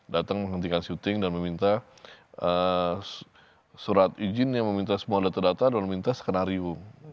datang menghentikan syuting dan meminta surat izin yang meminta semua data data dan minta skenario